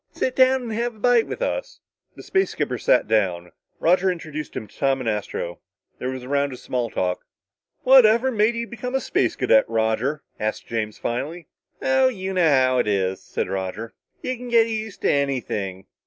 Sit down and have a bite with us." The space skipper sat down. Roger introduced him to Tom and Astro. There was a round of small talk. "Whatever made you become a Space Cadet, Roger?" asked James finally. "Oh, you know how it is," said Roger. "You can get used to anything."